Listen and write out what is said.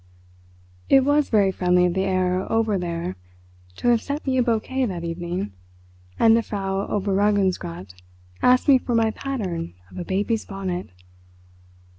It was very friendly of the Herr Oberlehrer to have sent me a bouquet that evening, and the Frau Oberregierungsrat asked me for my pattern of a baby's bonnet!